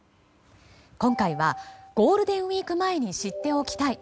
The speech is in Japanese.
今回はゴールデンウィーク前に知っておきたい